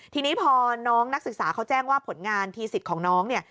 ทีนี้พอน้องนักศึกษาเขาแจ้งว่าผลงานทีสิทธิ์ของน้องเนี่ย